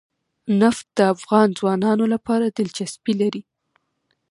نفت د افغان ځوانانو لپاره دلچسپي لري.